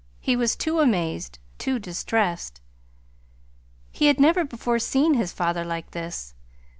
He was too amazed, too distressed. He had never before seen his father like this.